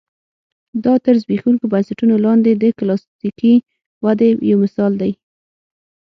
دا تر زبېښونکو بنسټونو لاندې د کلاسیکې ودې یو مثال دی.